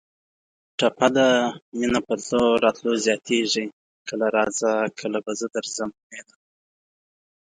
ټپه ده: مینه په تلو راتلو زیاتېږي کله راځه کله به زه درځم مینه